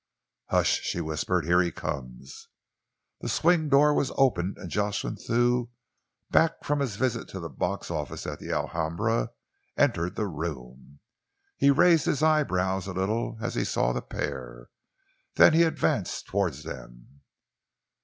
"Hush!" she whispered. "Here he comes." The swing door was opened and Jocelyn Thew, back from his visit to the box office at the Alhambra, entered the room. He raised his eye brows a little as he saw the pair. Then he advanced towards them.